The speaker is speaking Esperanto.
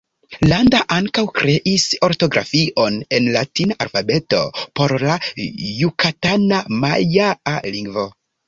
Landa ankaŭ kreis ortografion en latina alfabeto por la jukatana majaa lingvo.